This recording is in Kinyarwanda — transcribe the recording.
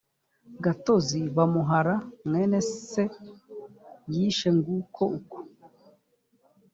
gatozi bamuh ra mwene se yishe nguko uko